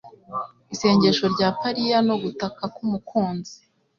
Isengesho rya pariya, no gutaka k'umukunzi, -